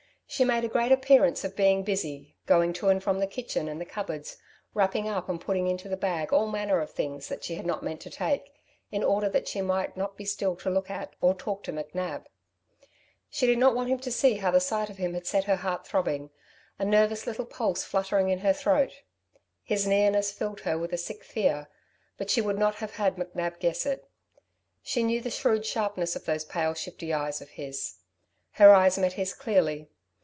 She made a great appearance of being busy, going to and from the kitchen and the cupboards, wrapping up and putting into the bag all manner of things that she had not meant to take, in order that she might not be still to look at, or to talk to McNab. She did not want him to see how the sight of him had set her heart throbbing, a little nervous pulse fluttering in her throat. His nearness filled her with a sick fear, but she would not have had McNab guess it. She knew the shrewd sharpness of those pale, shifty eyes of his. Her eyes met his clearly.